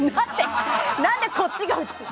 何でこっちが移すの！